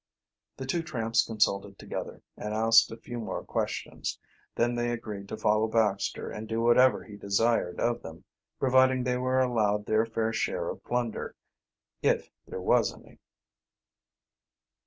The two tramps consulted together, and asked a few more questions. Then they agreed to follow Baxter, and do whatever he desired of them, providing they were allowed their fair share of plunder, if there was any.